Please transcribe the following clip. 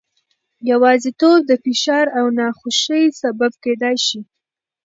یوازیتوب د فشار او ناخوښۍ سبب کېدای شي.